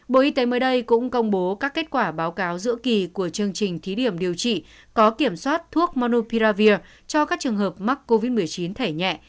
bộ y tế mới đây cũng công bố các kết quả báo cáo giữa kỳ của chương trình thí điểm điều trị có kiểm soát thuốc monopiravir cho các trường hợp mắc covid một mươi chín thẻ nhẹ